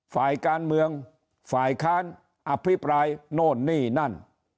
ฝ่ายการเมืองฝ่ายค้านอภิปรายโน่นนี่นั่น